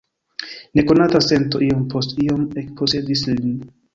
Nekonata sento iom post iom ekposedis lin.